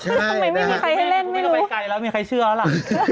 กูไม่ก็ไปไกลแล้วไม่มีใครเชื่อแล้วล่ะ